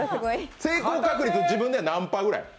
成功確率、自分では何パーくらい？